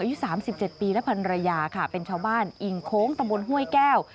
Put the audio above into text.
อายุ๓๗ปีและพันรยาค่ะเป็นชาวบ้านอิ่งโค้งตำบลห้วยแก้ว